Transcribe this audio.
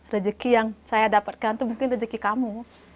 rezeki yang saya dapatkan itu mungkin rezeki kamu